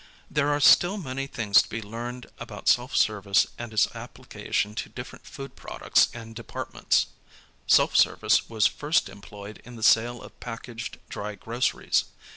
There are still many things to be learned about self service and its application to different food products and departments. Self service was first employed in the sale of packaged dry groceries.